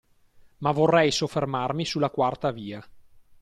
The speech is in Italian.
Ma vorrei soffermarmi sulla quarta via.